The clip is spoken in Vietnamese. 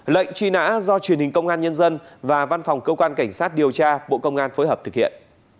lệnh truy nã do truyền hình công an nhân dân và văn phòng cơ quan cảnh sát điều tra bộ công an phối hợp thực hiện